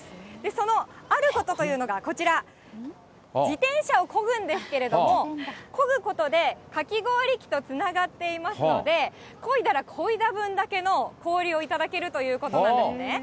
その、あることというのがこちら、自転車をこぐんですけれども、こぐことで、かき氷機とつながっていますので、こいだらこいだ分だけの、氷を頂けるということなんですね。